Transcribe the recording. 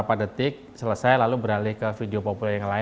beberapa detik selesai lalu beralih ke video populer yang lain